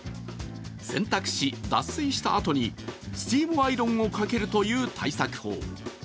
洗濯し、脱水したあとにスチームアイロンをかけるという対策法。